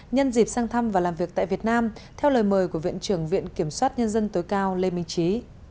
nhân dịp sang thăm và làm việc tại việt nam theo lời mời của viện trưởng viện kiểm soát nhân dân tối cao lê minh trí